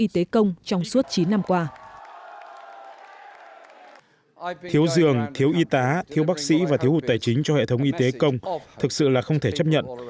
thiếu dường thiếu y tá thiếu bác sĩ và thiếu hụt tài chính cho hệ thống y tế công thực sự là không thể chấp nhận